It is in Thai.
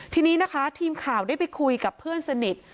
ทีนี้นะคะทีมข่าวได้ไปคุยกับเพื่อนสนิท